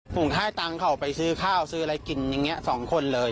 ผมให้ตังค์เขาไปซื้อข้าวซื้ออะไรกินอย่างนี้๒คนเลย